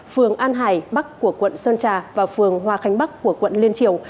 phường an hải bắc của quận sơn trà và phường hoa khánh bắc của quận liên triều